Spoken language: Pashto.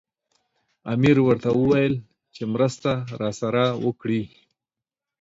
امیر ورته وویل چې مرسته راسره وکړي.